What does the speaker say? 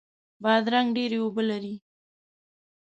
بادرنګ ډیرې اوبه لري.